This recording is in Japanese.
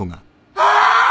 ああ！！